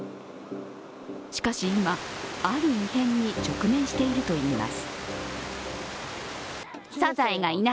しかし今、ある異変に直面しているといいます。